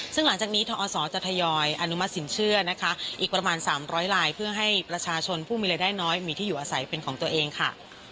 ซึ่งหลังจากนี้ทอศจะทยอยอนุมัติสินเชื่อนะคะอีกประมาณ๓๐๐ลายเพื่อให้ประชาชนผู้มีรายได้น้อยมีที่อยู่อาศัยเป็นของตัวเองค่ะ